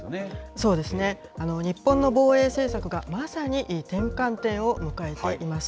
そうですね、日本の防衛政策が、まさに転換点を迎えています。